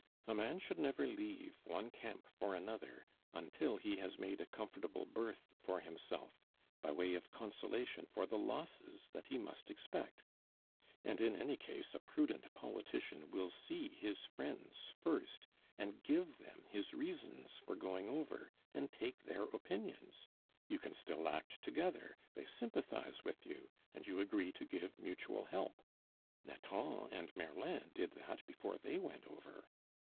A man should never leave one camp for another until he has made a comfortable berth for himself, by way of consolation for the losses that he must expect; and in any case, a prudent politician will see his friends first, and give them his reasons for going over, and take their opinions. You can still act together; they sympathize with you, and you agree to give mutual help. Nathan and Merlin did that before they went over.